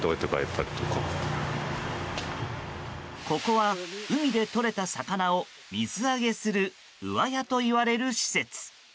ここは海でとれた魚を水揚げする上屋といわれる施設。